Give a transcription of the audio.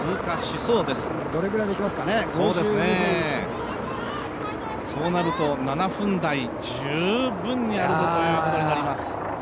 そうなると、７分台、十分にあるぞということになります。